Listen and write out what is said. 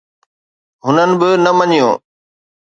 هنن به نه مڃيو.